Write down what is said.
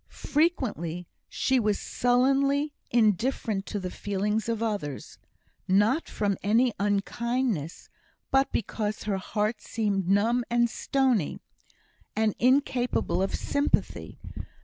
Frequently she was sullenly indifferent to the feelings of others not from any unkindness, but because her heart seemed numb and stony, and incapable of sympathy.